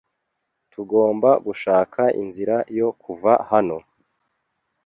Tugomba gushaka inzira yo kuva hano.